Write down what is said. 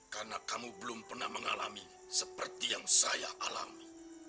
karena kamu belum pernah mengalami seperti yang saya alami